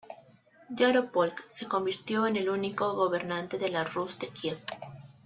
Yaropolk se convirtió en el único gobernante de la Rus de Kiev.